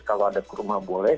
kalau ada kurma boleh